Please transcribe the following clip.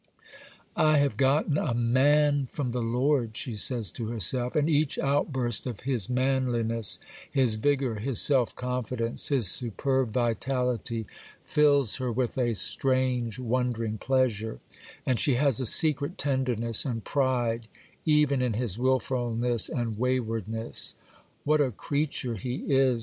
'I have gotten a man from the Lord,' she says to herself; and each outburst of his manliness, his vigour, his self confidence, his superb vitality, fills her with a strange, wondering pleasure, and she has a secret tenderness and pride even in his wilfulness and waywardness. 'What a creature he is!